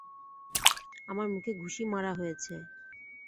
আমার মুখে ঘুষি মারা হয়েছে।